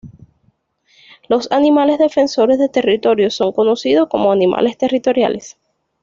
Los animales defensores de territorios son conocidos como animales territoriales.